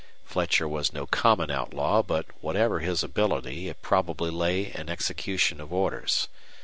Fletcher was no common outlaw, but, whatever his ability, it probably lay in execution of orders.